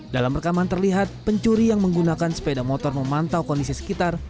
dalam rekaman terlihat pencuri yang menggunakan sepeda motor memantau kondisi sekitar